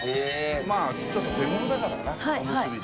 まあちょっと手頃だからなおむすびって。